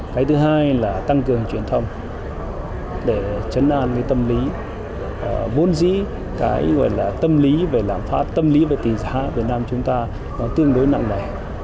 cái thứ hai là tăng cường truyền thông để chấn an tâm lý vốn dĩ tâm lý về làm phát tâm lý về tiền giá việt nam chúng ta nó tương đối nặng nẻ